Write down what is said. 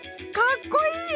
かっこいい！